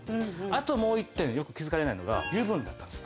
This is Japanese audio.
あともう一点よく気づかれないのが油分だったんです。